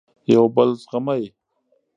یو بل زغمئ.